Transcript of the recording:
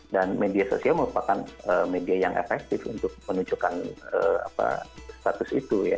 dan media sosial merupakan media yang efektif untuk menunjukkan status itu